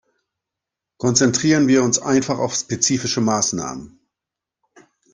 Konzentrieren wir uns einfach auf spezifische Maßnahmen.